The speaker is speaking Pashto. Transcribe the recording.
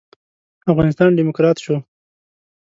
افغانستان ډيموکرات شو.